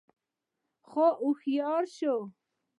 خو رښتيا شو